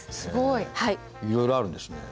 いろいろあるんですね。